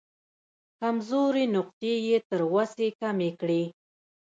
کمزورې نقطې یې تر وسې کمې کړې.